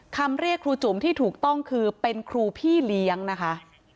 คำเรียกครูจุ๋มที่ถูกต้องคือเป็นครูพี่เลี้ยงนะคะ